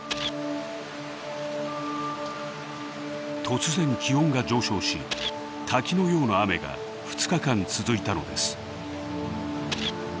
突然気温が上昇し滝のような雨が２日間続いたのです。